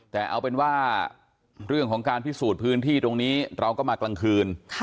แต่เอาเป็นว่าเรื่องของการพิสูจน์พื้นที่ตรงนี้เราก็มากลางคืน